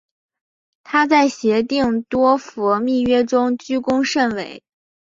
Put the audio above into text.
她在协定多佛密约中居功甚伟。